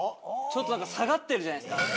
ちょっと下がってるじゃないですか。